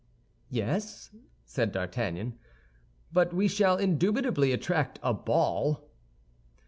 "Yes," said D'Artagnan; "but we shall indubitably attract a ball."